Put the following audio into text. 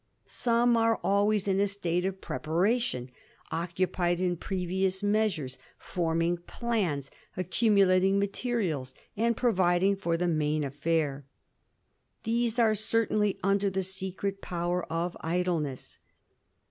Some are always in a state of preparation, occupied in ious measures, forming plans, accumulating materials, providing for the main affair. These are certainly the secret power of idleness.